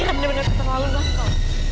ini kan bener bener terlalu langka